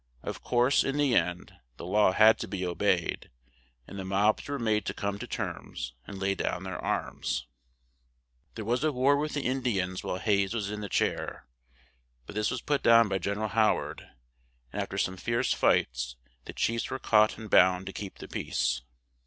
Of course, in the end, the law had to be o beyed and the mobs were made to come to terms, and lay down their arms. There was a war with the In di ans while Hayes was in the chair; but this was put down by Gen er al How ard; and after some fierce fights, the chiefs were caught and bound to keep the peace.